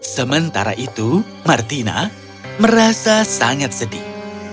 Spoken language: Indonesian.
sementara itu martina merasa sangat sedih